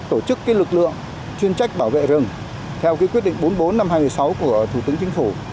tổ chức cái lực lượng chuyên trách bảo vệ rừng theo cái quyết định bốn mươi bốn năm hai mươi sáu của thủ tướng chính phủ